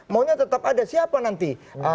maunya tetap ada siapa nanti